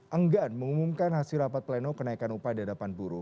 enggan mengumumkan hasil rapat pleno kenaikan upah di hadapan buruh